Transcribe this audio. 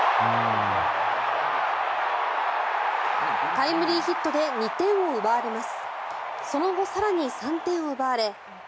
タイムリーヒットで２点を奪われます。